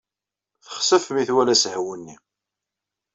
Texsef mi twala asehwu-nni.